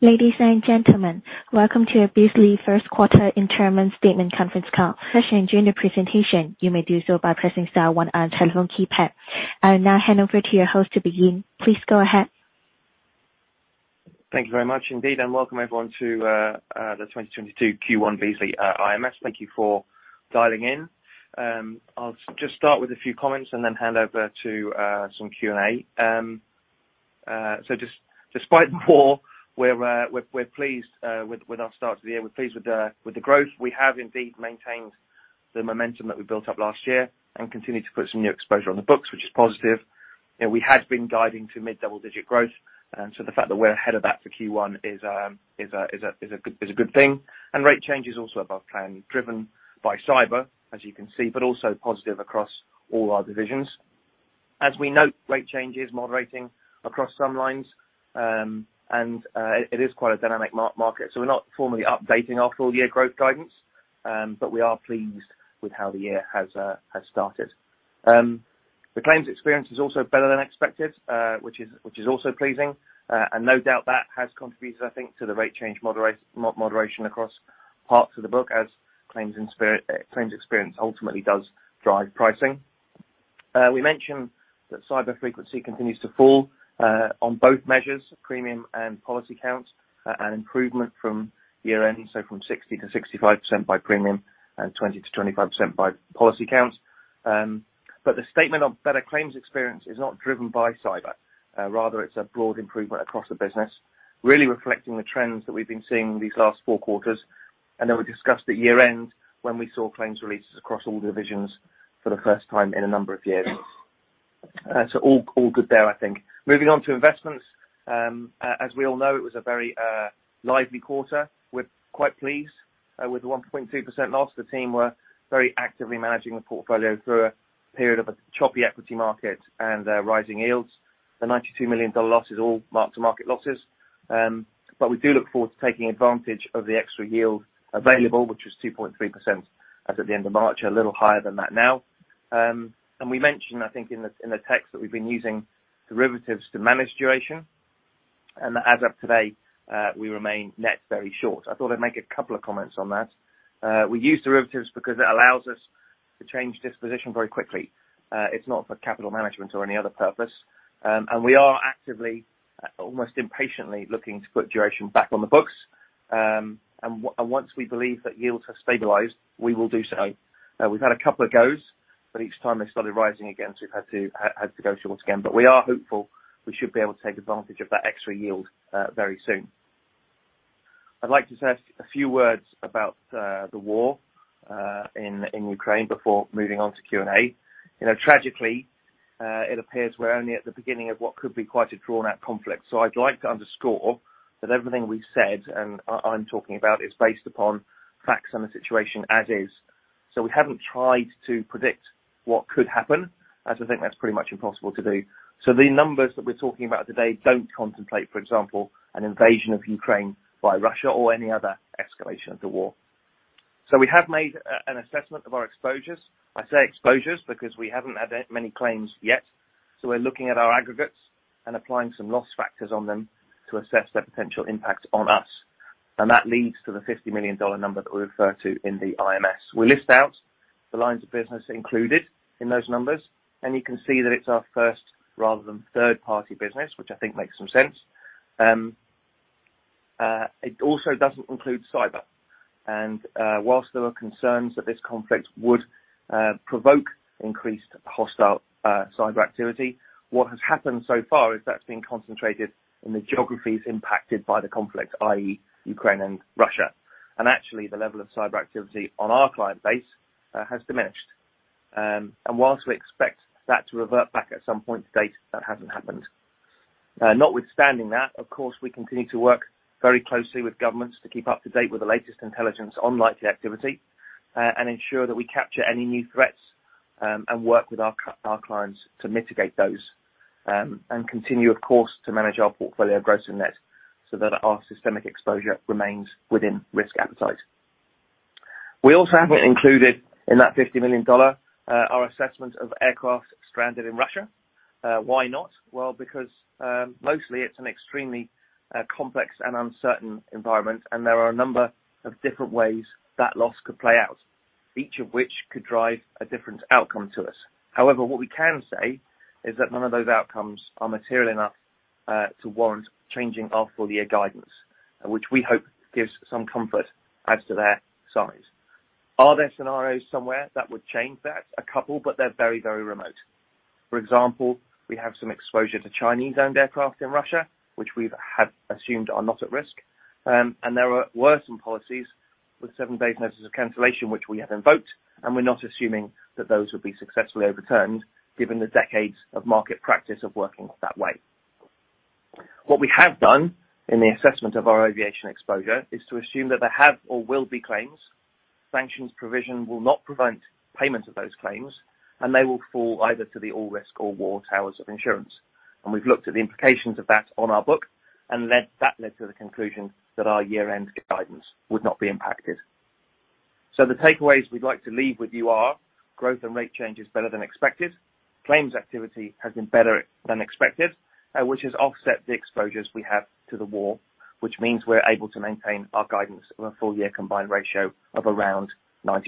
Ladies and gentlemen, welcome to the Beazley first quarter interim statement conference call. During the presentation, you may do so by pressing star one on telephone keypad. I will now hand over to your host to begin. Please go ahead. Thank you very much indeed, and welcome everyone to the 2022 Q1 Beazley IMS. Thank you for dialing in. I'll just start with a few comments and then hand over to some Q&A. Just despite the war, we're pleased with our start to the year. We're pleased with the growth. We have indeed maintained the momentum that we built up last year and continued to put some new exposure on the books, which is positive. You know, we had been guiding to mid double-digit growth. The fact that we're ahead of that for Q1 is a good thing. Rate change is also above plan, driven by Cyber, as you can see, but also positive across all our divisions. As we note rate change is moderating across some lines. It is quite a dynamic market. We're not formally updating our full-year growth guidance, but we are pleased with how the year has started. The claims experience is also better than expected, which is also pleasing. No doubt that has contributed, I think, to the rate change moderation across parts of the book as claims experience ultimately does drive pricing. We mentioned that Cyber frequency continues to fall on both measures, premium and policy counts, an improvement from year-end, from 60%-65% by premium and 20%-25% by policy counts. The statement on better claims experience is not driven by Cyber. Rather it's a broad improvement across the business, really reflecting the trends that we've been seeing these last four quarters. We discussed at year end when we saw claims releases across all divisions for the first time in a number of years. All good there, I think. Moving on to investments. As we all know, it was a very lively quarter. We're quite pleased with the 1.2% loss. The team were very actively managing the portfolio through a period of a choppy equity market and rising yields. The $92 million loss is all mark-to-market losses. We do look forward to taking advantage of the extra yield available, which was 2.3% as at the end of March, a little higher than that now. We mentioned, I think in the text, that we've been using derivatives to manage duration. As of today, we remain net very short. I thought I'd make a couple of comments on that. We use derivatives because it allows us to change this position very quickly. It's not for capital management or any other purpose. We are actively, almost impatiently, looking to put duration back on the books. Once we believe that yields have stabilized, we will do so. We've had a couple of goes, but each time they started rising again, so we've had to go short again. We are hopeful we should be able to take advantage of that extra yield very soon. I'd like to say a few words about the war in Ukraine before moving on to Q&A. You know, tragically, it appears we're only at the beginning of what could be quite a drawn out conflict. I'd like to underscore that everything we've said and I'm talking about is based upon facts and the situation as is. We haven't tried to predict what could happen, as I think that's pretty much impossible to do. The numbers that we're talking about today don't contemplate, for example, an invasion of Ukraine by Russia or any other escalation of the war. We have made an assessment of our exposures. I say exposures because we haven't had that many claims yet. We're looking at our aggregates and applying some loss factors on them to assess their potential impact on us. That leads to the $50 million number that we refer to in the IMS. We list out the lines of business included in those numbers, and you can see that it's our first rather than third-party business, which I think makes some sense. It also doesn't include Cyber. Whilst there are concerns that this conflict would provoke increased hostile Cyber activity, what has happened so far is that's been concentrated in the geographies impacted by the conflict, i.e., Ukraine and Russia. Actually the level of Cyber activity on our client base has diminished. Whilst we expect that to revert back at some point to date, that hasn't happened. Notwithstanding that, of course, we continue to work very closely with governments to keep up to date with the latest intelligence on likely activity, and ensure that we capture any new threats, and work with our clients to mitigate those. Continue, of course, to manage our portfolio of gross and net so that our systemic exposure remains within risk appetite. We also haven't included in that $50 million, our assessment of aircraft stranded in Russia. Why not? Well, because, mostly it's an extremely complex and uncertain environment, and there are a number of different ways that loss could play out, each of which could drive a different outcome to us. However, what we can say is that none of those outcomes are material enough to warrant changing our full year guidance, which we hope gives some comfort as to their size. Are there scenarios somewhere that would change that? A couple, but they're very, very remote. For example, we have some exposure to Chinese-owned aircraft in Russia, which we've had assumed are not at risk. And there are some policies with seven days notice of cancellation, which we have invoked, and we're not assuming that those would be successfully overturned given the decades of market practice of working that way. What we have done in the assessment of our aviation exposure is to assume that there have or will be claims. Sanctions provision will not prevent payment of those claims, and they will fall either to the all risk or war towers of insurance. We've looked at the implications of that on our book, that led to the conclusion that our year-end guidance would not be impacted. The takeaways we'd like to leave with you are growth and rate change is better than expected. Claims activity has been better than expected, which has offset the exposures we have to the war, which means we're able to maintain our guidance of a full-year combined ratio of around 90%.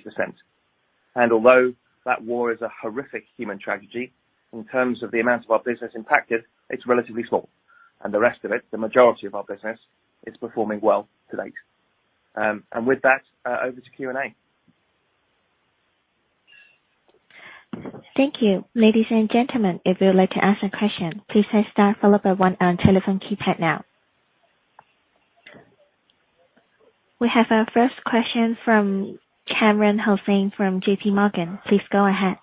Although that war is a horrific human tragedy, in terms of the amount of our business impacted, it's relatively small. The rest of it, the majority of our business, is performing well to date. With that, over to Q&A. Thank you. Ladies and gentlemen, if you would like to ask a question, please press star followed by one on telephone keypad now. We have our first question from Kamran Hossain from JPMorgan. Please go ahead.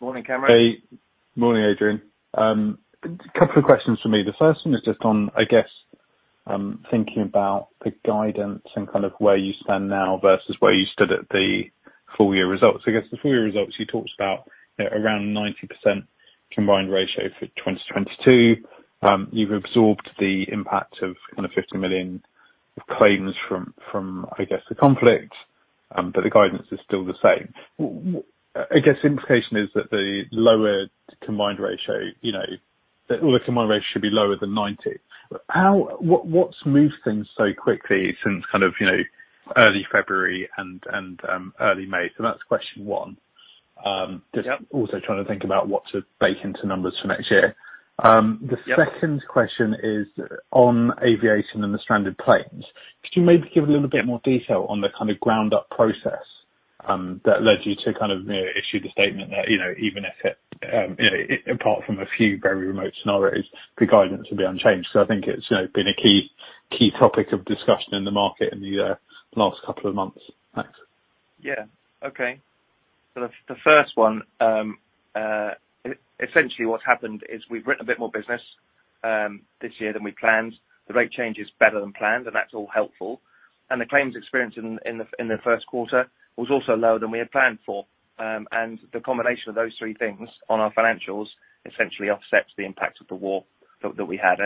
Morning, Kamran. Hey. Morning, Adrian. A couple of questions from me. The first one is just on, I guess, thinking about the guidance and kind of where you stand now versus where you stood at the full year results. I guess the full year results you talked about, you know, around 90% combined ratio for 2022. You've absorbed the impact of kind of $50 million of claims from, I guess, the conflict, but the guidance is still the same. I guess the implication is that the lower combined ratio, you know, that the combined ratio should be lower than 90. How? What has moved things so quickly since kind of, you know, early February and early May? That's question one. Just also trying to think about what to bake into numbers for next year. The second question is on aviation and the stranded planes. Could you maybe give a little bit more detail on the kind of ground up process, that led you to kind of, you know, issue the statement that, you know, even if it, you know, apart from a few very remote scenarios, the guidance will be unchanged. I think it's, you know, been a key topic of discussion in the market in the last couple of months. Thanks. Yeah. Okay. The first one, essentially what's happened is we've written a bit more business, this year than we planned. The rate change is better than planned, and that's all helpful. The claims experience in the first quarter was also lower than we had planned for. The combination of those three things on our financials essentially offsets the impact of the war that we had.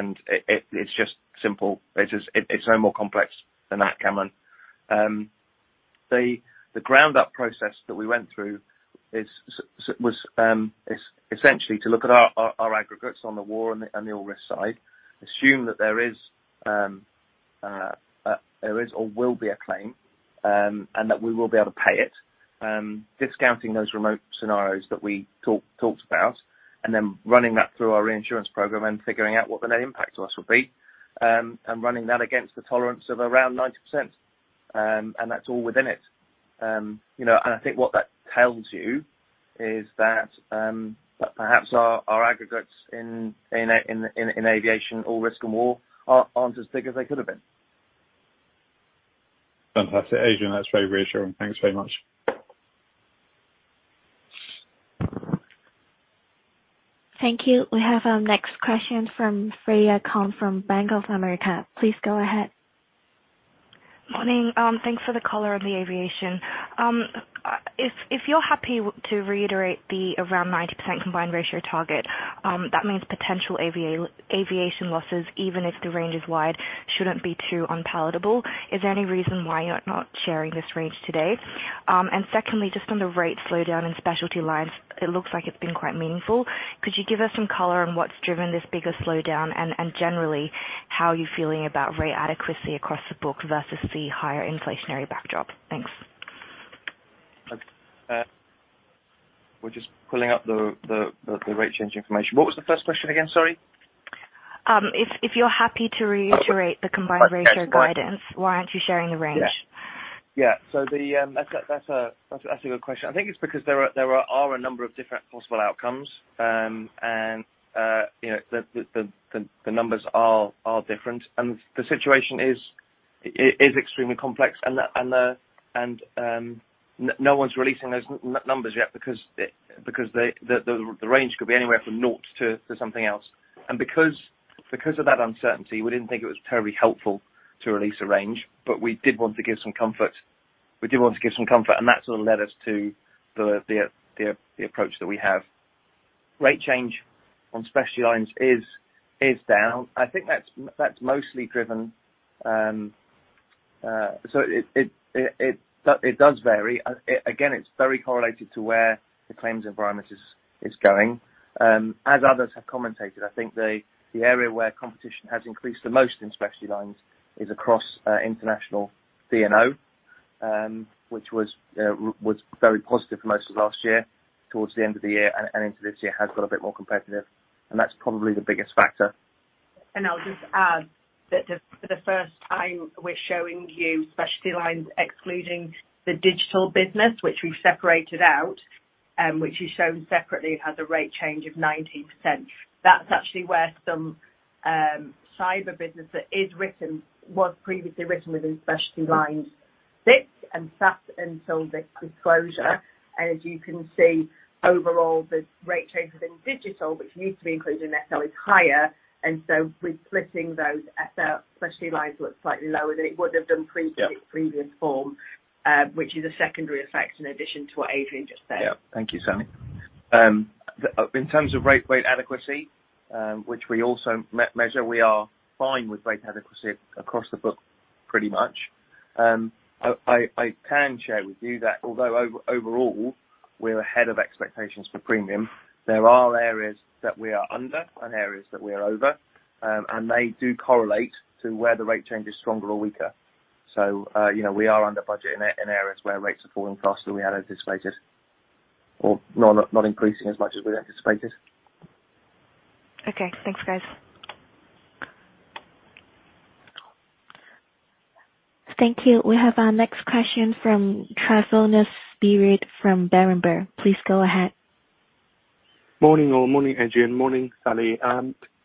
It's just simple. It's just no more complex than that, Kamran. The ground up process that we went through is essentially to look at our aggregates on the war and the oil risk side, assume that there is or will be a claim, and that we will be able to pay it, discounting those remote scenarios that we talked about, and then running that through our reinsurance program and figuring out what the net impact to us will be, and running that against the tolerance of around 90%. That's all within it. You know, I think what that tells you is that perhaps our aggregates in aviation, all risk and war aren't as big as they could have been. Fantastic. Adrian, that's very reassuring. Thanks very much. Thank you. We have our next question from Freya Kong from Bank of America. Please go ahead. Morning. Thanks for the color on the aviation. If you're happy to reiterate the around 90% combined ratio target, that means potential aviation losses, even if the range is wide, shouldn't be too unpalatable. Is there any reason why you're not sharing this range today? Secondly, just on the rate slowdown in specialty lines, it looks like it's been quite meaningful. Could you give us some color on what's driven this bigger slowdown and generally how you're feeling about rate adequacy across the book versus the higher inflationary backdrop? Thanks. We're just pulling up the rate change information. What was the first question again? Sorry. If you're happy to reiterate the combined ratio guidance, why aren't you sharing the range? Yeah. Yeah. That's a good question. I think it's because there are a number of different possible outcomes. You know, the numbers are different. The situation is extremely complex and no one's releasing those numbers yet because they. The range could be anywhere from naught to something else. Because of that uncertainty, we didn't think it was terribly helpful to release a range. We did want to give some comfort, and that's what led us to the approach that we have. Rate change on specialty lines is down. I think that's mostly driven. It does vary. It's very correlated to where the claims environment is going. As others have commented, I think the area where competition has increased the most in specialty lines is across international D&O, which was very positive for most of last year. Towards the end of the year and into this year has got a bit more competitive. That's probably the biggest factor. I'll just add that for the first time, we're showing you specialty lines excluding the Digital business which we've separated out, which is shown separately, has a rate change of 19%. That's actually where some Cyber business that was previously written within specialty lines sat until this disclosure. As you can see, overall the rate changes in Digital, which needs to be included in SL is higher. With splitting those SL, specialty lines look slightly lower than it would have done previously. Yeah. in previous form, which is a secondary effect in addition to what Adrian just said. Yeah. Thank you, Sally. In terms of rate adequacy, which we also measure, we are fine with rate adequacy across the book pretty much. I can share with you that although overall we're ahead of expectations for premium, there are areas that we are under and areas that we are over, and they do correlate to where the rate change is stronger or weaker. You know, we are under budget in areas where rates are falling faster than we had anticipated or not increasing as much as we had anticipated. Okay. Thanks, guys. Thank you. We have our next question from Tryfonas Spyrou from Berenberg. Please go ahead. Morning all. Morning Adrian. Morning Sally.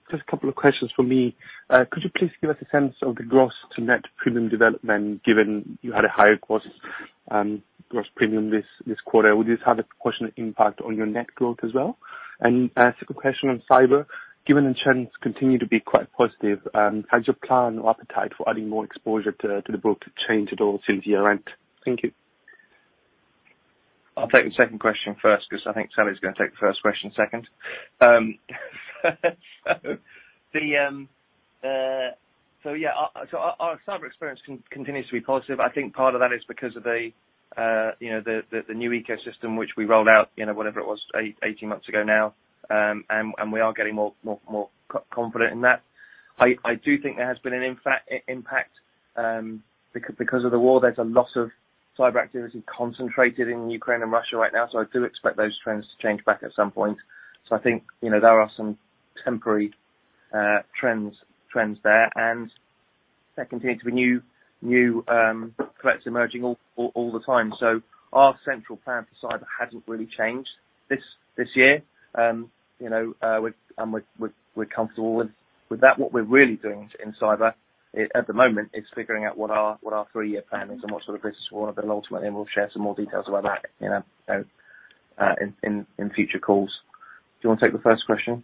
Just a couple of questions from me. Could you please give us a sense of the gross to net premium development given you had a higher gross premium this quarter? Would this have a proportionate impact on your net growth as well? A second question on Cyber. Given the trends continue to be quite positive, has your plan or appetite for adding more exposure to the book changed at all since year-end? Thank you. I'll take the second question first because I think Sally's gonna take the first question second. Our Cyber experience continues to be positive. I think part of that is because of the new ecosystem which we rolled out, you know, whatever it was, eighteen months ago now. We are getting more confident in that. I do think there has been an impact because of the war. There's a lot of Cyber activity concentrated in Ukraine and Russia right now, so I do expect those trends to change back at some point. I think, you know, there are some temporary trends there, and there continue to be new threats emerging all the time. Our central plan for Cyber hasn't really changed this year. We're comfortable with that. What we're really doing in Cyber at the moment is figuring out what our three-year plan is and what sort of business we want to build. Ultimately, we'll share some more details about that in future calls. Do you wanna take the first question?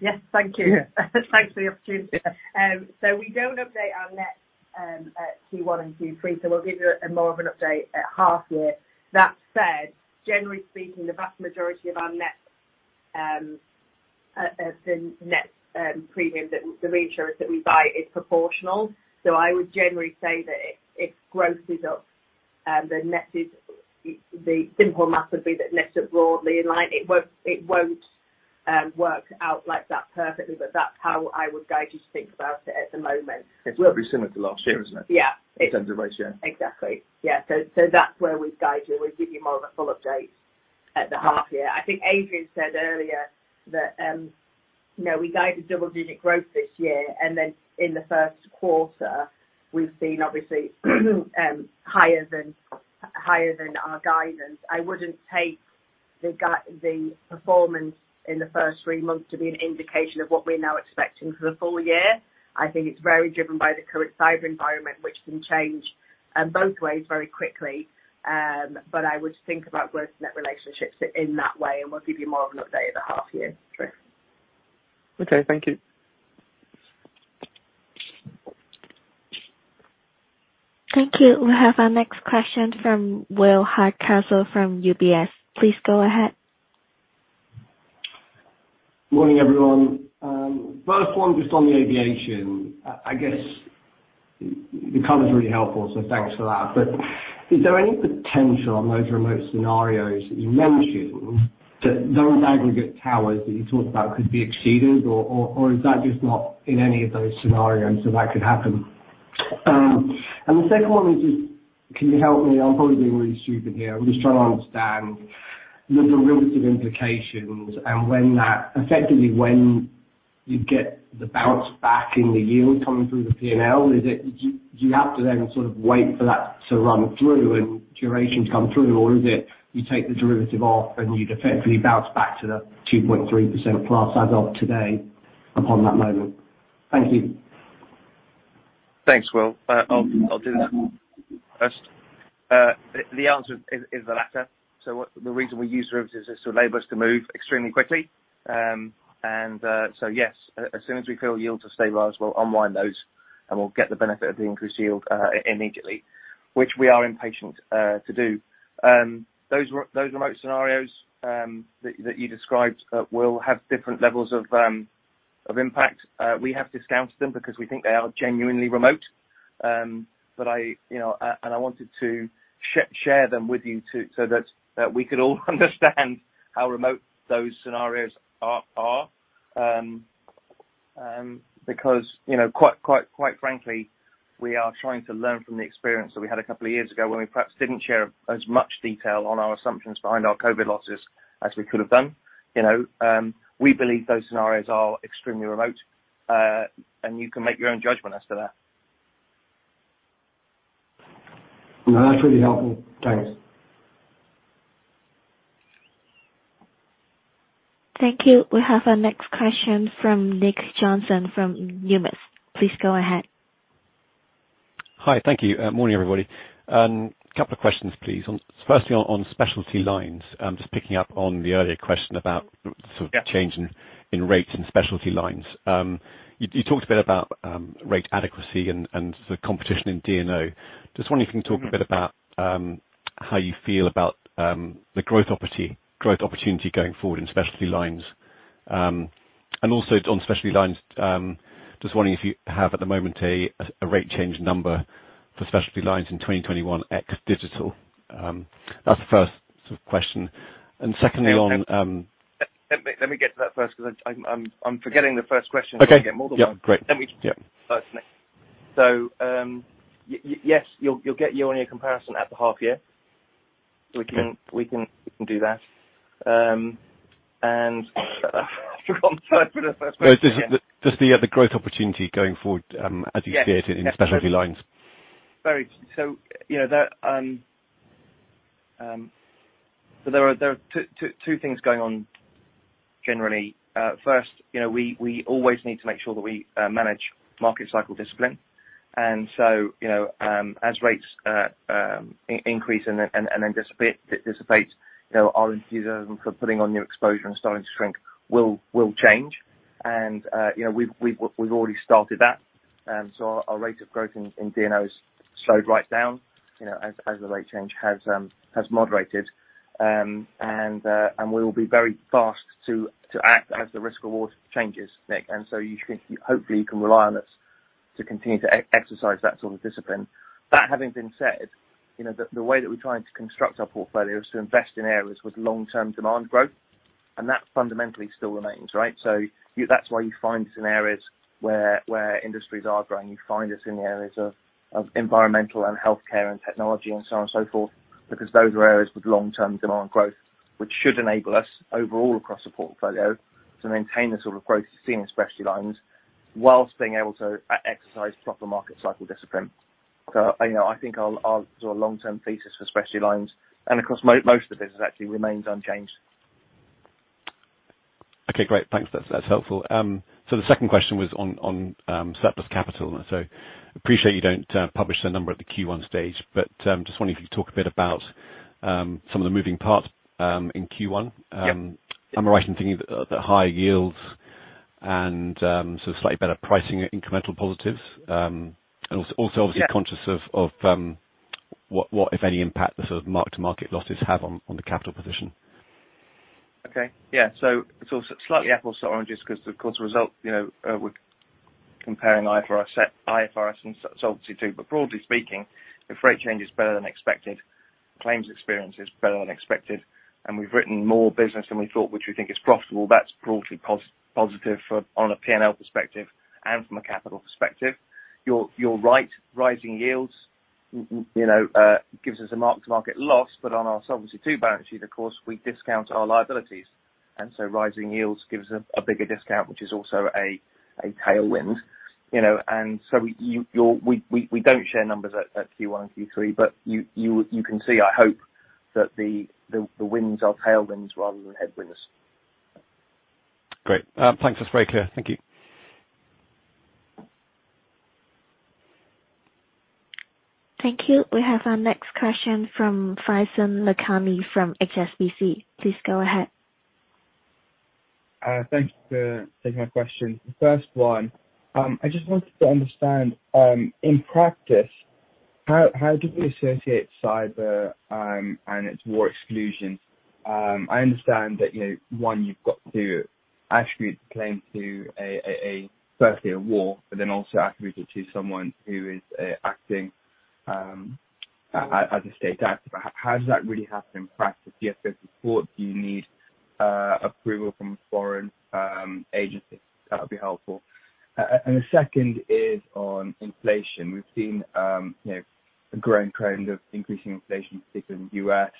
Yes. Thank you. Yeah. Thanks for the opportunity. We don't update our net at Q1 and Q3. We'll give you more of an update at half year. That said, generally speaking, the vast majority of our net premium that the reinsurance that we buy is proportional. I would generally say that it grosses up. The simple math would be that nets are broadly in line. It won't work out like that perfectly, but that's how I would guide you to think about it at the moment. It will be similar to last year, isn't it? Yeah. In terms of ratio. Exactly. Yeah. That's where we'd guide you. We'd give you more of a full update at the half year. I think Adrian said earlier that, you know, we guided double digit growth this year, and then in the first quarter we've seen obviously, higher than our guidance. I wouldn't take the performance in the first three months to be an indication of what we're now expecting for the full year. I think it's very driven by the current Cyber environment, which can change, both ways very quickly. I would think about gross net relationships in that way, and we'll give you more of an update at the half year. Sure. Okay. Thank you. Thank you. We have our next question from Will Hardcastle from UBS. Please go ahead. Morning, everyone. First one just on the aviation. I guess the color's really helpful, so thanks for that. Is there any potential on those remote scenarios that you mentioned that those aggregate towers that you talked about could be exceeded, or is that just not in any of those scenarios so that could happen? The second one is just, can you help me? I'm probably being really stupid here. I'm just trying to understand the derivative implications and, effectively, when you get the bounce back in the yield coming through the P&L. Is it you have to then sort of wait for that to run through and durations come through? Or is it you take the derivative off and you effectively bounce back to the 2.3% class as of today upon that moment? Thank you. Thanks, Will. I'll do that first. The answer is the latter. What the reason we use derivatives is to enable us to move extremely quickly. Yes, as soon as we feel yields are stabilized, we'll unwind those, and we'll get the benefit of the increased yield immediately, which we are impatient to do. Those remote scenarios that you described will have different levels of impact. We have discounted them because we think they are genuinely remote. I you know wanted to share them with you, too, so that we could all understand how remote those scenarios are. Because, you know, quite frankly, we are trying to learn from the experience that we had a couple of years ago when we perhaps didn't share as much detail on our assumptions behind our COVID losses as we could have done. You know, we believe those scenarios are extremely remote, and you can make your own judgment as to that. No, that's really helpful. Thanks. Thank you. We have our next question from Nick Johnson from Numis. Please go ahead. Hi. Thank you. Morning, everybody. Couple of questions, please. Firstly, on specialty lines, I'm just picking up on the earlier question about- Yeah. Sort of change in rates and specialty lines. You talked a bit about rate adequacy and the competition in D&O. Just wondering if you can talk a bit about how you feel about the growth opportunity going forward in specialty lines. Also on specialty lines. Just wondering if you have at the moment a rate change number for specialty lines in 2021 ex Digital. That's the first sort of question. Secondly on Let me get to that first because I'm forgetting the first question. Okay. I get them all going. Yeah. Great. Let me- Yeah. Yes, you'll get year-on-year comparison at the half-year. We can. Okay. We can do that. I've forgotten the first question. Just the growth opportunity going forward. Yes. as you see it in specialty lines. So, you know, that, so there are two things going on generally. First, you know, we always need to make sure that we manage market cycle discipline. You know, as rates increase and then dissipate, you know, our enthusiasm for putting on new exposure and starting to shrink will change. You know, we've already started that. Our rate of growth in D&Os slowed right down, you know, as the rate change has moderated. We will be very fast to act as the risk reward changes, Nick. You can hopefully rely on us to continue to exercise that sort of discipline. That having been said, you know, the way that we're trying to construct our portfolio is to invest in areas with long-term demand growth, and that fundamentally still remains, right? That's why you find us in areas where industries are growing. You find us in the areas of environmental and healthcare and technology and so on and so forth, because those are areas with long-term demand growth, which should enable us overall across the portfolio to maintain the sort of growth we're seeing in specialty lines while being able to exercise proper market cycle discipline. You know, I think our sort of long-term thesis for specialty lines and across most of the business actually remains unchanged. Okay, great. Thanks. That's helpful. The second question was on surplus capital. Appreciate you don't publish the number at the Q1 stage, but just wondering if you could talk a bit about some of the moving parts in Q1. Yeah. Am I right in thinking that higher yields and so slightly better pricing incremental positives, and also obviously? Yeah. conscious of what, if any, impact the sort of mark-to-market losses have on the capital position? It's slightly apples to oranges because of course the result, you know, we're comparing IFRS 17 and Solvency II. Broadly speaking, the rate change is better than expected. Claims experience is better than expected, and we've written more business than we thought, which we think is profitable. That's broadly positive on a P&L perspective and from a capital perspective. You're right. Rising yields gives us a mark-to-market loss. On our Solvency II balance sheet, of course, we discount our liabilities. Rising yields gives us a bigger discount, which is also a tailwind. You know, we don't share numbers at Q1 and Q3. You can see, I hope, that the winds are tailwinds rather than headwinds. Great. Thanks. That's very clear. Thank you. Thank you. We have our next question from Faizan Lakhani from HSBC. Please go ahead. Thank you for taking my question. The first one, I just wanted to understand, in practice, how do we associate Cyber and its war exclusions? I understand that, you know, one, you've got to attribute the claim to firstly a war, but then also attribute it to someone who is acting as a state actor. How does that really happen in practice? Do you have certain support? Do you need approval from foreign agencies? That would be helpful. The second is on inflation. We've seen, you know, a growing trend of increasing inflation, particularly in the U.S.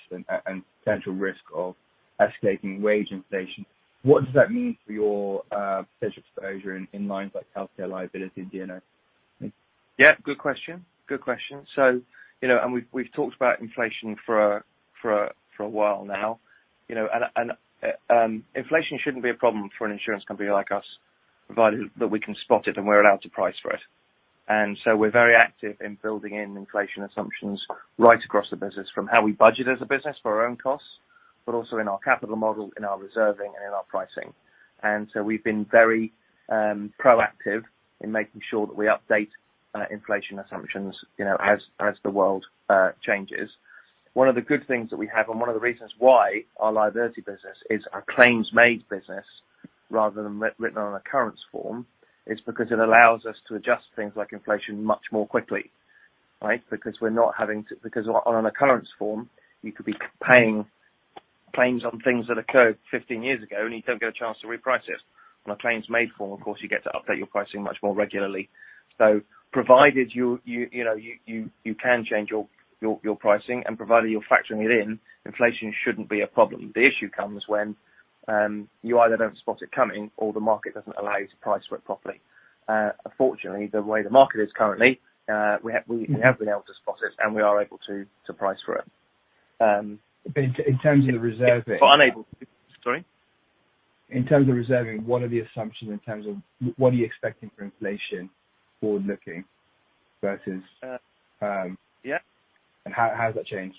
and potential risk of escalating wage inflation. What does that mean for your exposure in lines like healthcare liability and D&O? Yeah, good question. You know, we've talked about inflation for a while now. You know, inflation shouldn't be a problem for an insurance company like us, provided that we can spot it and we're allowed to price for it. We're very active in building in inflation assumptions right across the business. From how we budget as a business for our own costs, but also in our capital model, in our reserving, and in our pricing. We've been very proactive in making sure that we update inflation assumptions, you know, as the world changes. One of the good things that we have, and one of the reasons why our liability business is a claims-made business rather than written on an occurrence form, is because it allows us to adjust things like inflation much more quickly, right? Because on an occurrence form, you could be paying claims on things that occurred 15 years ago, and you don't get a chance to reprice it. On a claims-made form, of course, you get to update your pricing much more regularly. Provided you know you can change your pricing and provided you're factoring it in, inflation shouldn't be a problem. The issue comes when you either don't spot it coming or the market doesn't allow you to price for it properly. Fortunately, the way the market is currently, we have, we- Mm-hmm. We have been able to spot it and we are able to price for it. In terms of the reserving. Unable to. Sorry. In terms of reserving, what are the assumptions in terms of what are you expecting for inflation forward-looking versus? Yeah. How has that changed?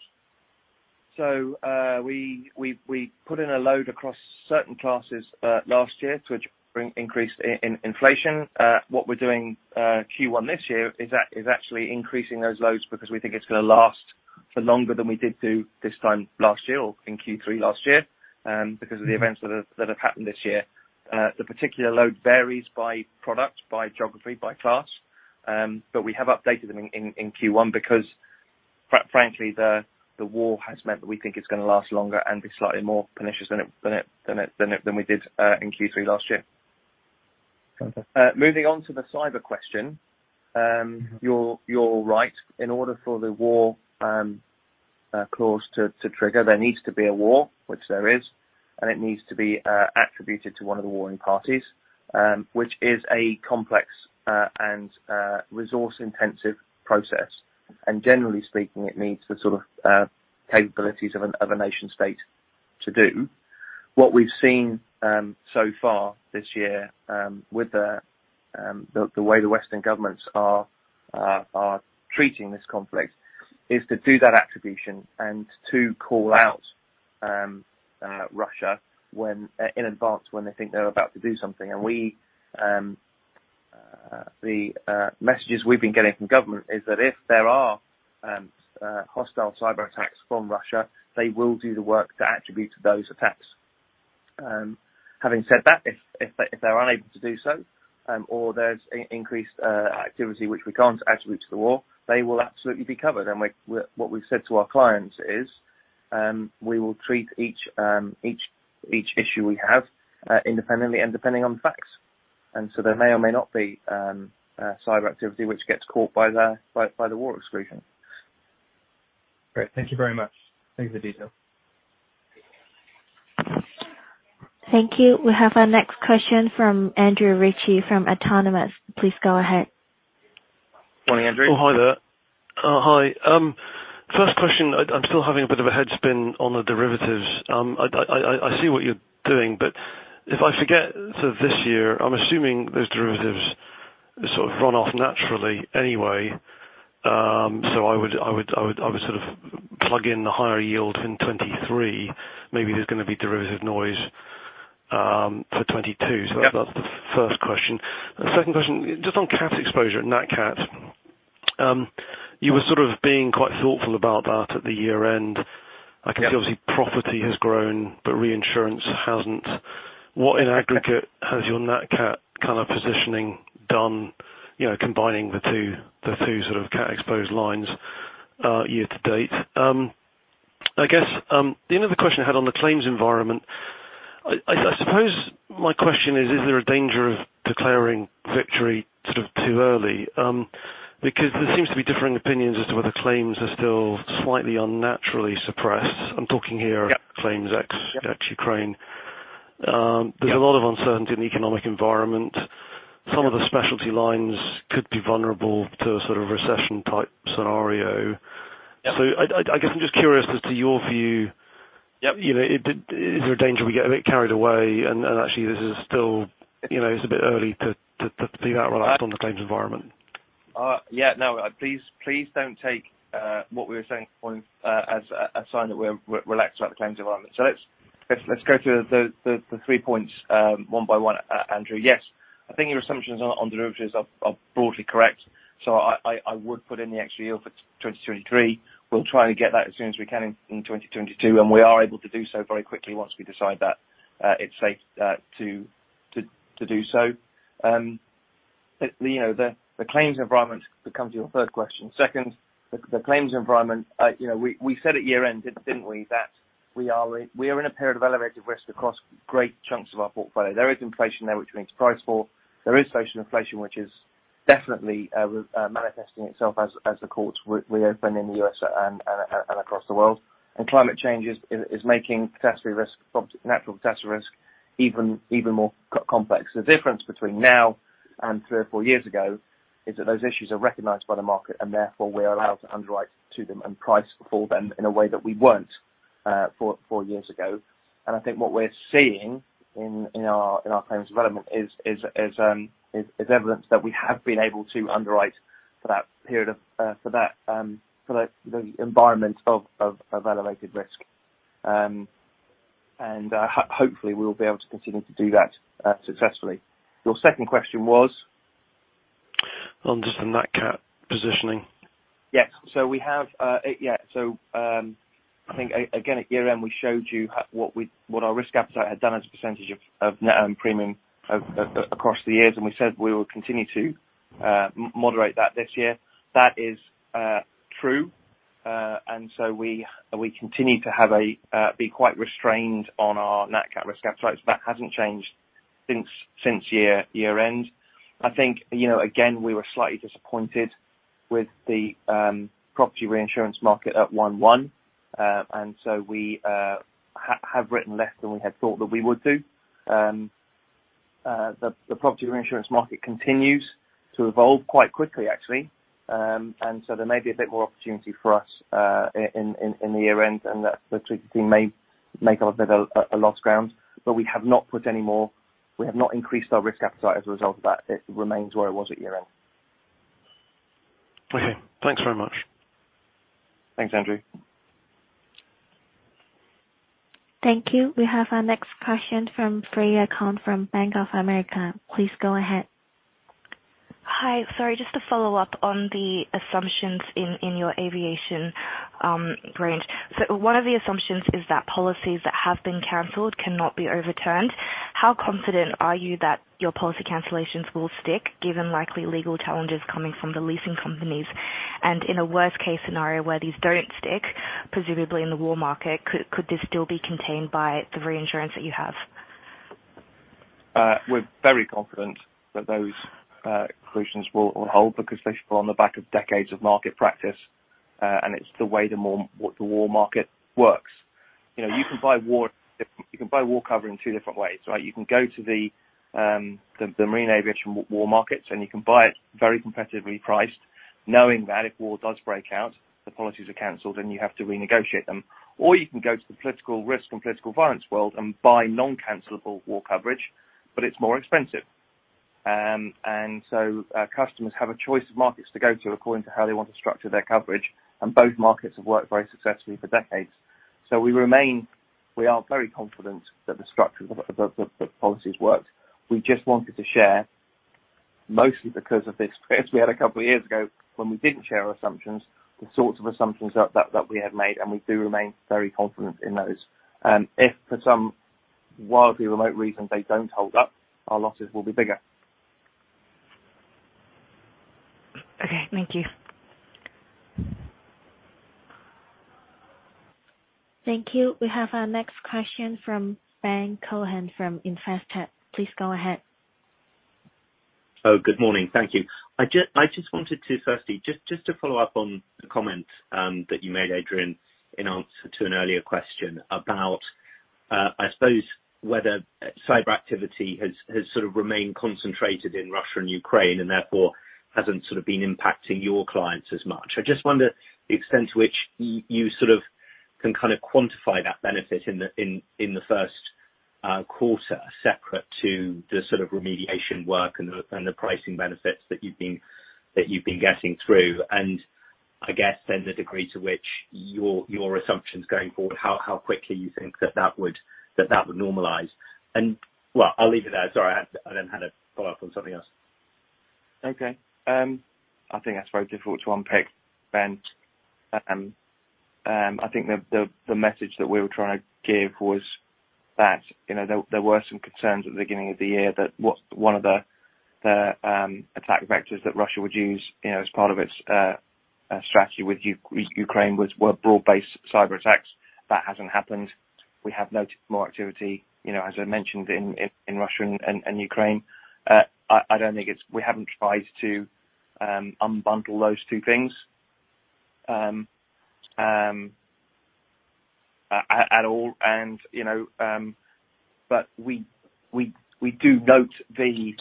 We put in a load across certain classes last year to bring increase in inflation. What we're doing, Q1 this year is actually increasing those loads because we think it's gonna last for longer than we did this time last year or in Q3 last year, because of the events that have happened this year. The particular load varies by product, by geography, by class. But we have updated them in Q1 because quite frankly, the war has meant that we think it's gonna last longer and be slightly more pernicious than we did in Q3 last year. Okay. Moving on to the Cyber question. Mm-hmm. You're right. In order for the war clause to trigger, there needs to be a war, which there is, and it needs to be attributed to one of the warring parties, which is a complex and resource-intensive process. Generally speaking, it needs the sort of capabilities of a nation state to do. What we've seen so far this year with the way the Western governments are treating this conflict is to do that attribution and to call out Russia in advance when they think they're about to do something. The messages we've been getting from government is that if there are hostile Cyber attacks from Russia, they will do the work to attribute those attacks. Having said that, if they're unable to do so, or there's increased activity which we can't attribute to the war, they will absolutely be covered. What we've said to our clients is, we will treat each issue we have independently and depending on the facts. There may or may not be Cyber activity which gets caught by the war exclusion. Great. Thank you very much. Thank you for the detail. Thank you. We have our next question from Andrew Ritchie from Autonomous. Please go ahead. Morning, Andrew. Oh, hi there. First question. I'm still having a bit of a head spin on the derivatives. I see what you're doing, but if I forget sort of this year, I'm assuming those derivatives sort of run off naturally anyway. I would sort of plug in the higher yield in 2023. Maybe there's gonna be derivative noise for 2022. Yeah. That's the first question. The second question, just on Cat exposure, Nat Cat. You were sort of being quite thoughtful about that at the year end. Yeah. I can see obviously property has grown, but reinsurance hasn't. What in aggregate has your nat cat kind of positioning done, you know, combining the two sort of cat exposed lines year to date? I guess, the other question I had on the claims environment, I suppose my question is there a danger of declaring victory sort of too early? Because there seems to be differing opinions as to whether claims are still slightly unnaturally suppressed. I'm talking here. Yeah. Claims ex Ukraine. Yeah. There's a lot of uncertainty in the economic environment. Yeah. Some of the specialty lines could be vulnerable to a sort of recession type scenario. Yeah. I guess I'm just curious as to your view. Yep. You know, is there a danger we get a bit carried away and actually this is still, you know, it's a bit early to be that relaxed on the claims environment? Yeah, no. Please don't take what we were saying as a sign that we're relaxed about the claims environment. Let's go through the three points one by one, Andrew. Yes. I think your assumptions on derivatives are broadly correct. I would put in the extra yield for 2023. We'll try to get that as soon as we can in 2022, and we are able to do so very quickly once we decide that it's safe to do so. You know, the claims environment becomes your third question. Second, the claims environment, you know, we said at year end, didn't we, that we are in a period of elevated risk across great chunks of our portfolio. There is inflation there which we need to price for. There is social inflation which is definitely manifesting itself as the courts reopen in the U.S. and across the world. Climate change is making catastrophe risk, natural catastrophe risk even more complex. The difference between now and three or four years ago is that those issues are recognized by the market and therefore we are allowed to underwrite to them and price for them in a way that we weren't four years ago. I think what we're seeing in our claims development is evidence that we have been able to underwrite for the environment of elevated risk. Hopefully, we'll be able to continue to do that successfully. Your second question was? On just the Nat Cat positioning. Yes. We have. I think again, at year end, we showed you what our risk appetite had done as a percentage of net premium across the years, and we said we will continue to moderate that this year. That is true. We continue to have to be quite restrained on our Nat Cat risk appetite. That hasn't changed since year end. I think again, we were slightly disappointed with the property reinsurance market at 1/1. We have written less than we had thought that we would do. The property reinsurance market continues to evolve quite quickly actually. There may be a bit more opportunity for us in the year end, and the treaty team may make up a bit of lost ground. We have not increased our risk appetite as a result of that. It remains where it was at year end. Okay. Thanks very much. Thanks, Andrew. Thank you. We have our next question from Freya Kong from Bank of America. Please go ahead. Hi. Sorry, just to follow up on the assumptions in your aviation range. One of the assumptions is that policies that have been canceled cannot be overturned. How confident are you that your policy cancellations will stick given likely legal challenges coming from the leasing companies? In a worst case scenario where these don't stick, presumably in the war market, could this still be contained by the reinsurance that you have? We're very confident that those exclusions will hold because they fall on the back of decades of market practice, and it's the way the war market works. You know, you can buy war cover in two different ways, right? You can go to the marine aviation war markets, and you can buy it very competitively priced, knowing that if war does break out, the policies are canceled, and you have to renegotiate them. Or you can go to the political risk and political violence world and buy non-cancelable war coverage, but it's more expensive. Customers have a choice of markets to go to according to how they want to structure their coverage, and both markets have worked very successfully for decades. We remain... We are very confident that the structure of the policies works. We just wanted to share, mostly because of this, because we had a couple of years ago when we didn't share our assumptions, the sorts of assumptions that we had made, and we do remain very confident in those. If for some wildly remote reason they don't hold up, our losses will be bigger. Okay, thank you. Thank you. We have our next question from Ben Cohen from Investec. Please go ahead. Oh, good morning. Thank you. I just wanted to firstly just to follow up on the comment that you made, Adrian, in answer to an earlier question about I suppose whether Cyber activity has sort of remained concentrated in Russia and Ukraine and therefore hasn't sort of been impacting your clients as much. I just wonder the extent to which you sort of can kinda quantify that benefit in the first quarter, separate to the sort of remediation work and the pricing benefits that you've been getting through. I guess then the degree to which your assumptions going forward, how quickly you think that would normalize. Well, I'll leave it there. Sorry, I then had a follow-up on something else. Okay. I think that's very difficult to unpick, Ben. I think the message that we were trying to give was that, you know, there were some concerns at the beginning of the year that what one of the attack vectors that Russia would use, you know, as part of its strategy with Ukraine were broad-based cyberattacks. That hasn't happened. We have noticed more activity, you know, as I mentioned in Russia and Ukraine. I don't think it's. We haven't tried to unbundle those two things at all. You know, but we do note the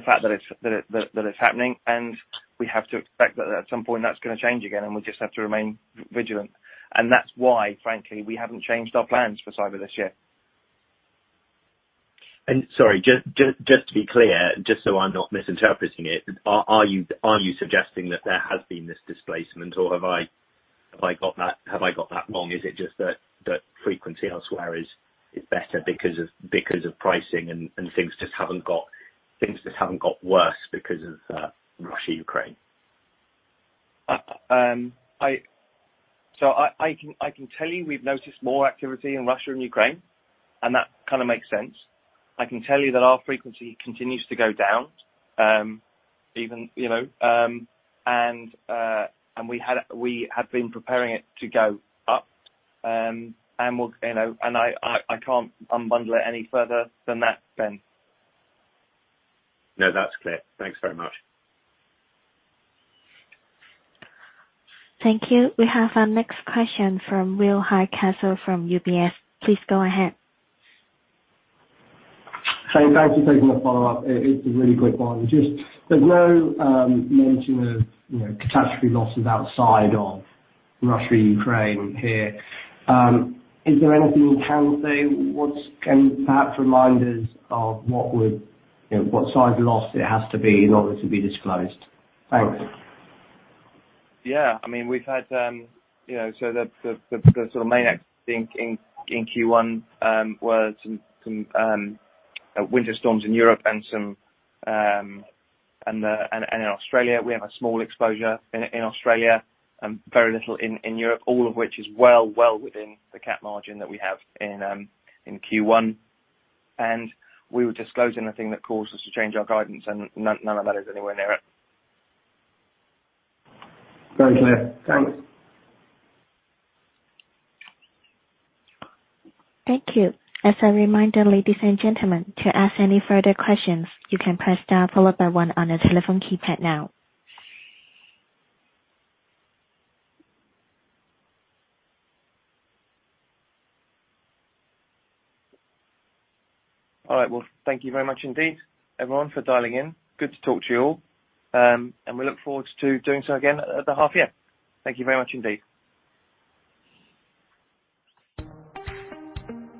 fact that it's happening, and we have to expect that at some point that's gonna change again, and we just have to remain vigilant. That's why, frankly, we haven't changed our plans for Cyber this year. Sorry, just to be clear, just so I'm not misinterpreting it, are you suggesting that there has been this displacement or have I got that wrong? Is it just that frequency elsewhere is better because of pricing and things just haven't got worse because of Russia-Ukraine? I can tell you we've noticed more activity in Russia and Ukraine, and that kinda makes sense. I can tell you that our frequency continues to go down, and we had been preparing it to go up. I can't unbundle it any further than that, Ben. No, that's clear. Thanks very much. Thank you. We have our next question from Will Hardcastle from UBS. Please go ahead. Thank you. Just one follow-up. It's a really quick one. Just there's no mention of, you know, catastrophe losses outside of Russia-Ukraine here. Is there anything you can say? Can you perhaps remind us of what would you know, what size loss it has to be in order to be disclosed? Thanks. Yeah. I mean, we've had, you know, so the sort of main accidents in Q1 were some winter storms in Europe and some in Australia. We have a small exposure in Australia and very little in Europe, all of which is well within the cat margin that we have in Q1. We were disclosing the thing that caused us to change our guidance and none of that is anywhere near it. Very clear. Thanks. Thank you. As a reminder, ladies and gentlemen, to ask any further questions, you can press star followed by one on your telephone keypad now. All right. Well, thank you very much indeed, everyone, for dialing in. Good to talk to you all. We look forward to doing so again at the half year. Thank you very much indeed.